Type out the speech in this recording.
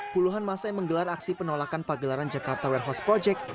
puluhan masa yang menggelar aksi penolakan pagelaran jakarta warehouse project